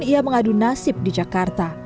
ia mengadu nasib di jakarta